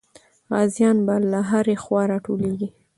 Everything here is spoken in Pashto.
غازیان به له هرې خوا راټولېږي.